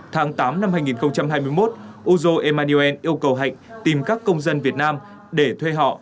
tháng tám năm hai nghìn hai mươi một uzo emaniel yêu cầu hạnh tìm các công dân việt nam để thuê họ